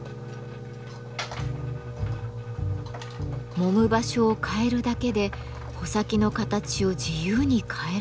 揉む場所を変えるだけで穂先の形を自由に変えられるのだとか。